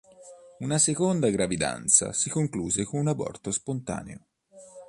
Una seconda gravidanza si concluse con un aborto spontaneo.